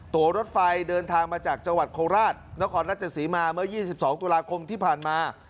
ตัวรถไฟเดินทางมาจากจังหวัดโคราชนครราชสีมาเมื่อ๒๒ตุลาคมที่ผ่านมา